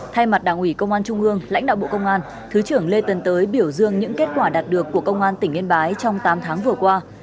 thay mặt đảng ủy công an trung ương lãnh đạo bộ công an thứ trưởng lê tấn tới biểu dương những kết quả đạt được của công an tỉnh yên bái trong tám tháng vừa qua